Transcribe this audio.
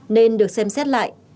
nên được xem xét lại